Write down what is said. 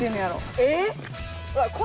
えっ？